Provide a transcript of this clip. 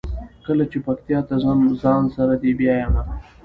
کله چې پکتیا ته ځم ځان سره دې بیایمه.